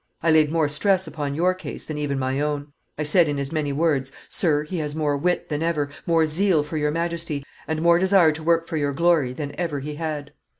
I laid more stress upon your case than even my own. I said, in as many words, 'Sir, he has more wit than ever, more zeal for your Majesty, and more desire to work for your glory than ever he had.